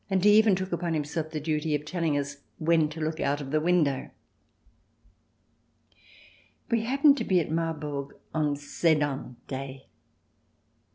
He even took upon him self the duty of telling us when to look out of the window. We happened to be at Marburg on Sedan Day.